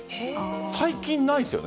最近ないですよね。